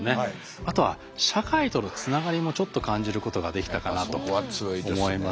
あとは社会とのつながりもちょっと感じることができたかなと思います。